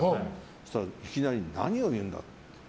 そうしたらいきなり何を言うんだと。